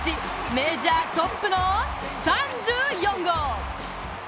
メジャートップの３４号！